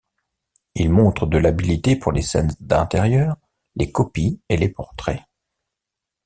Il montre de l'habileté pour les scènes d'intérieur, les copies et les portraits.